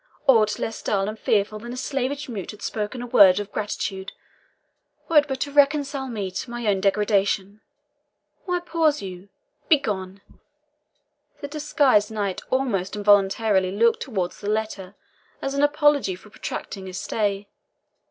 Aught less dull and fearful than a slavish mute had spoken a word of gratitude, were it but to reconcile me to my own degradation. Why pause you? begone!" The disguised knight almost involuntarily looked towards the letter as an apology for protracting his stay.